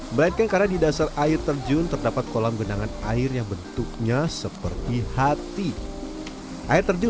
melainkan karena di dasar air terjun terdapat kolam genangan air yang bentuknya seperti hati air terjun